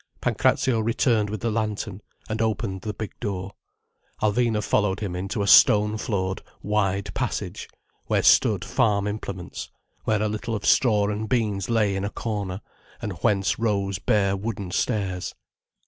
Pancrazio returned with the lantern, and opened the big door. Alvina followed him into a stone floored, wide passage, where stood farm implements, where a little of straw and beans lay in a corner, and whence rose bare wooden stairs.